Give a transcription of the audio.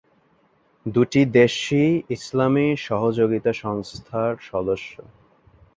দুটি দেশই ইসলামী সহযোগিতা সংস্থার সদস্য।